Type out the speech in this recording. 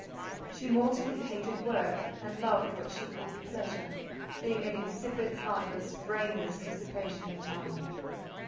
She mortally hated work, and loved what she called pleasure; being an insipid, heartless, brainless dissipation of time.